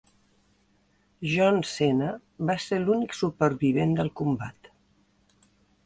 John Cena va ser l'únic supervivent del combat.